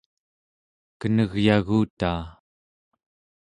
kenegyagutaa